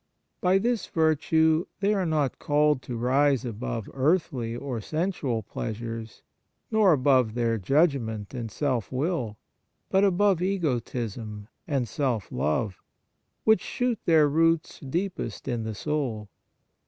By this virtue they are not called to rise above earthly or sensual pleasures, nor above their judgment and self will, but above egotism and self love, which shoot their roots deepest in the soul.